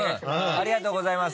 ありがとうございます。